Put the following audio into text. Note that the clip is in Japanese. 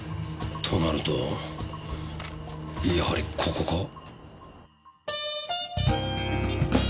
となるとやはりここか？